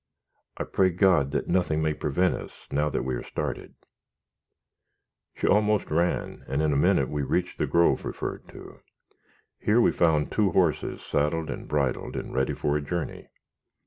I pray God that nothing may prevent us, now that we are started." She almost ran, and in a minute we reached the grove referred to. Here we found two horses saddled and bridled, and ready for a journey.